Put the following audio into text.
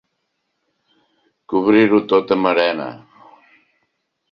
Cobrir-ho tot amb arena.